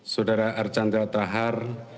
saudara archandra thar